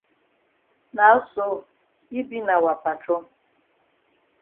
Now sl yi be na wa patron.